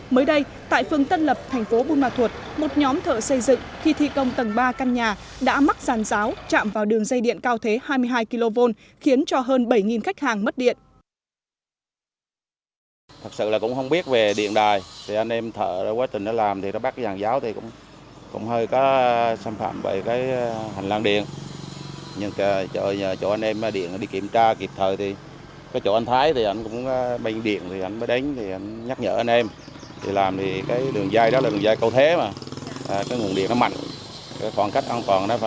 mới đây tại phương tân lập thành phố bùn ma thuật một nhóm thợ xây dựng khi thi công tầng ba căn nhà đã mắc giàn giáo chạm vào đường dây điện cao thế hai mươi hai kv khiến cho hơn bảy khách hàng mất điện